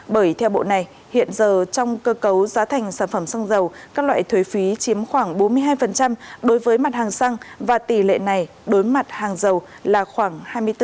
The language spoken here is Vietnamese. bởi theo bộ này hiện giờ trong cơ cấu giá thành sản phẩm xăng dầu các loại thuế phí chiếm khoảng bốn mươi hai đối với mặt hàng xăng và tỷ lệ này đối mặt hàng dầu là khoảng hai mươi bốn